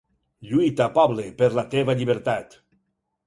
Lluita, poble, per la teva llibertat!